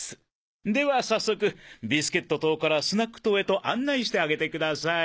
では早速ビスケット棟からスナック棟へと案内してあげてください。